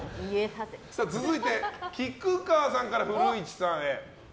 続いて菊川さんから古市さんへ。